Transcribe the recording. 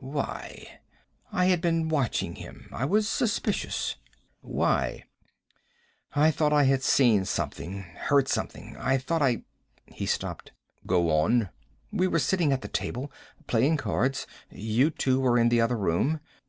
"Why?" "I had been watching him. I was suspicious." "Why?" "I thought I had seen something. Heard something. I thought I " He stopped. "Go on." "We were sitting at the table. Playing cards. You two were in the other room.